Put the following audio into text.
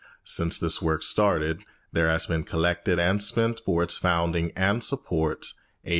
Since this work started, there has been collected and spent for its founding and support $800,000.